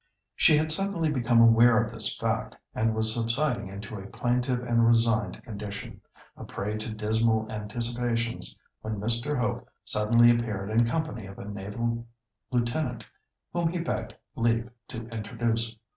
She had suddenly become aware of this fact, and was subsiding into a plaintive and resigned condition, a prey to dismal anticipations, when Mr. Hope suddenly appeared in company of a naval lieutenant, whom he begged leave to introduce.